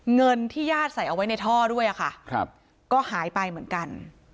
เงินที่ญาติใส่เอาไว้ในท่อด้วยค่ะก็หายไปเหมือนกัน